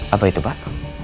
apa itu pak